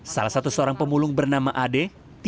salah satu seorang pemulung bernama ade